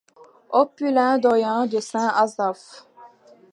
opulent doyen de Saint-Asaph.